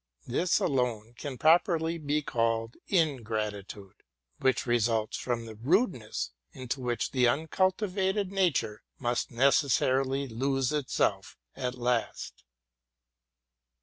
This alons can properly be called ingratitude, which results from the RELATING TO MY LIFE. at rudeness into which the uncultivated nature must necessarily lose itself at last.